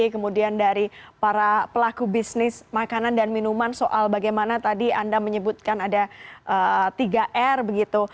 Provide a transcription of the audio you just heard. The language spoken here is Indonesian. kemudian dari para pelaku bisnis makanan dan minuman soal bagaimana tadi anda menyebutkan ada tiga r begitu